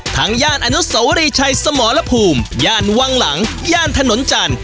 ย่านอนุสวรีชัยสมรภูมิย่านวังหลังย่านถนนจันทร์